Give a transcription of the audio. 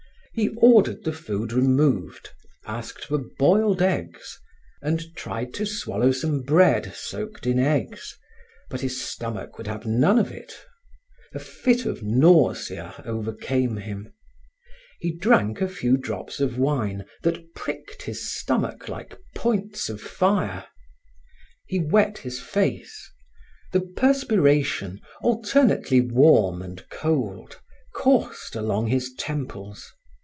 He ordered the food removed, asked for boiled eggs, and tried to swallow some bread soaked in eggs, but his stomach would have none of it. A fit of nausea overcame him. He drank a few drops of wine that pricked his stomach like points of fire. He wet his face; the perspiration, alternately warm and cold, coursed along his temples.